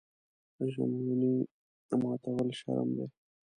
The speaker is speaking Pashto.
د ژمنې ماتول شرم دی.